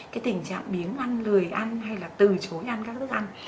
cái tình trạng biến ngăn lười ăn hay là từ chối ăn các thức ăn